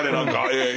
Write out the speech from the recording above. ええ。